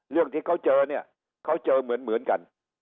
เรื่องที่เขาเจอเนี่ยเขาเจอเหมือนกัน